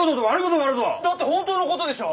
だって本当のことでしょ